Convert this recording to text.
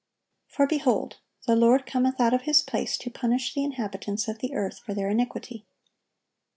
For, behold, the Lord cometh out of His place to punish the inhabitants of the earth for their iniquity."